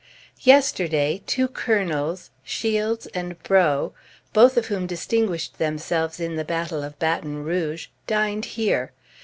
Yesterday, two Colonels, Shields and Breaux, both of whom distinguished themselves in the battle of Baton Rouge, dined here.